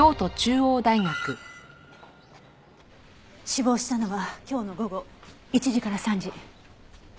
死亡したのは今日の午後１時から３時。